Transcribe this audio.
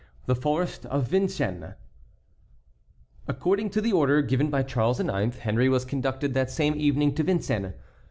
THE FOREST OF VINCENNES. According to the order given by Charles IX., Henry was conducted that same evening to Vincennes.